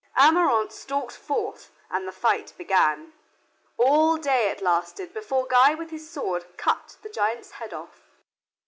Ameraunt stalked forth and the fight began. All day it lasted before Guy with his sword cut the giant's head off.